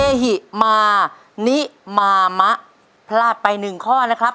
เจฮิมานิมามะพลาดไป๑ข้อนะครับ